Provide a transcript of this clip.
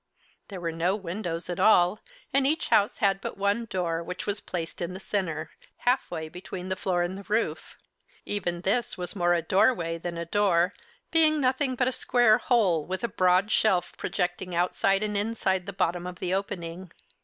There were no windows at all, and each house had but one door, which was placed in the center, halfway between the floor and the roof. Even this was more a doorway than a door, being nothing but a square hole, with a broad shelf projecting outside and inside the bottom of the opening.